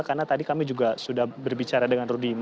karena tadi kami juga sudah berbicara dengan rudi